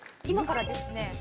今からですね